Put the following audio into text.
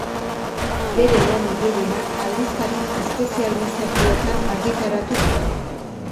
Bere lanik gehienak aldizkari espezializatuetan argitaratu dira.